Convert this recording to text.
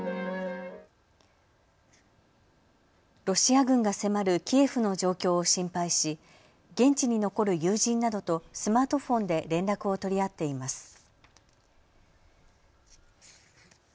ロシア軍が迫るキエフの状況を心配し現地に残る友人などとスマートフォンで連絡を取り合っています。